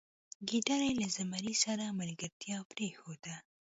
ګیدړې له زمري سره ملګرتیا پریښوده.